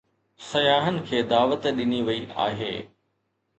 سياحن کي دعوت ڏني وئي آهي